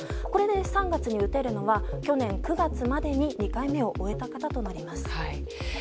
これで３月に打てるのは去年９月までに２回目を終えた方となります。